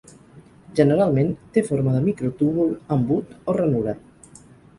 Generalment té forma de microtúbul, embut o ranura.